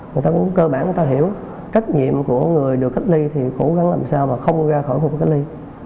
người ta cũng cơ bản người ta hiểu trách nhiệm của người được cách ly thì cố gắng làm sao mà không ra khỏi khu vực cách ly